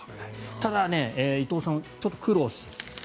ただ、伊東さんちょっと苦労している。